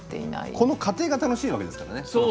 この過程が楽しいわけですからね。